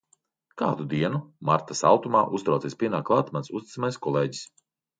Kādu dienu, marta saltumā, uztraucies pienāk klāt mans uzticamais kolēģis.